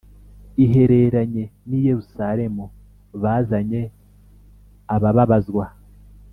ihereranye n i Yerusalemu bazanye abababazwa